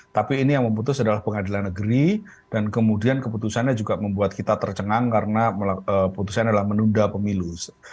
tapi ini yang memutus adalah pengadilan negeri dan kemudian keputusannya juga membuat kita tercengang karena putusan adalah menunda pemilu